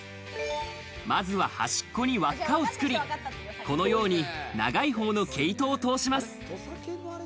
まずは端っこに輪っかを作り、このように長い方の毛糸を通します。